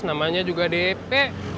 namanya juga dp